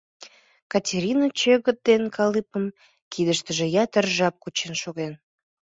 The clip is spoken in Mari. Катерина чӧгыт ден калыпым кидыштыже ятыр жап кучен шогыш.